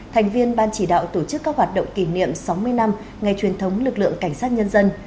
thành viên ban chỉ đạo tổ chức các hoạt động kỷ niệm sáu mươi năm ngày truyền thống lực lượng cảnh sát nhân dân